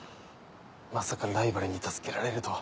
まさかライバルに助けられるとは。